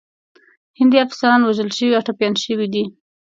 هندي افسران وژل شوي او ټپیان شوي دي.